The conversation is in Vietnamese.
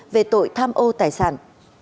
về tội tham ô tài sản